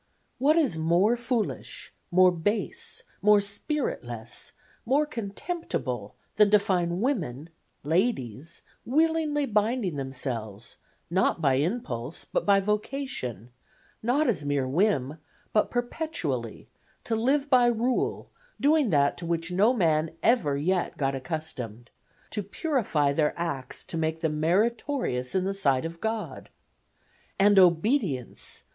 What is more foolish, more base, more spiritless, more contemptible than to find women, ladies, willingly binding themselves, not by impulse, but by vocation, not as a mere whim, but perpetually to live by rule, doing that to which no man ever yet got accustomed, to purify their acts to make them meritorious in the sight of God? And obedience!